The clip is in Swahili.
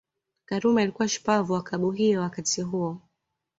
Karume alikuwa shupavu wa Klabu hiyo wakati huo